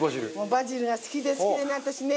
バジルが好きで好きでね私ね。